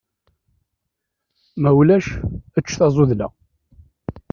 Ma ulac, ečč tazuḍla.